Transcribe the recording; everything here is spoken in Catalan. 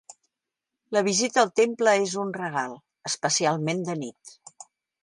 La visita al temple és un regal, especialment de nit.